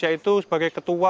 yaitu sebagai ketua yayasan